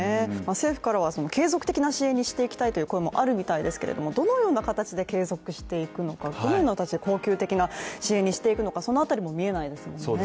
政府からは継続的な支援にしていきたいということもあるようですがどのような形で継続していくのか、どのような形で恒久的な支援にしていくのか、その辺りも見えないですよね。